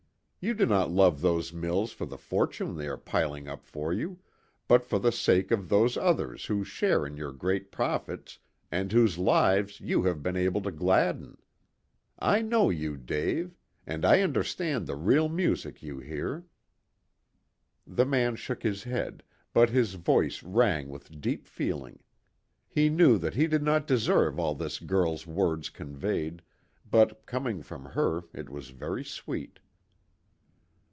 You do not love those mills for the fortune they are piling up for you, but for the sake of those others who share in your great profits and whose lives you have been able to gladden. I know you, Dave. And I understand the real music you hear." The man shook his head, but his voice rang with deep feeling. He knew that he did not deserve all this girl's words conveyed, but, coming from her, it was very sweet.